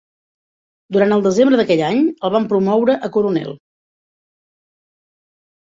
Durant el desembre d'aquell any, el van promoure a coronel.